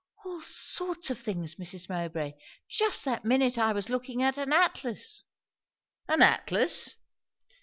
"All sorts of things, Mrs. Mowbray! Just that minute, I was looking at an atlas." "An atlas!"